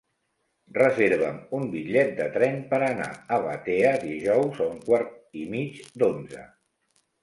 Reserva'm un bitllet de tren per anar a Batea dijous a un quart i mig d'onze.